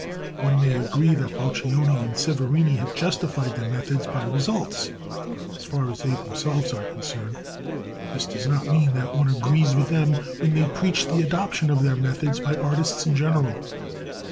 One may agree that Boccioni and Severini have justified their methods by results as far as they themselves are concerned; this does not mean that one agrees with them when they preach the adoption of their methods by artists in general.